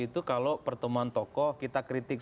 itu kalau pertemuan tokoh kita kritik